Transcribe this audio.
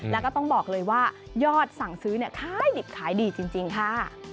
แล้วก็ต้องบอกเลยว่ายอดสั่งซื้อขายดิบขายดีจริงค่ะ